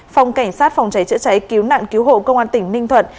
phòng cảnh sát phòng cháy chữa cháy cứu nạn cứu hộ công an tỉnh ninh thuận